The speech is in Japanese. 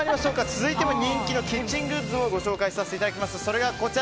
続いては人気のキッチングッズをご紹介させていただきます。